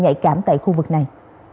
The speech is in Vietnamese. nhạy cảm tại khu vực này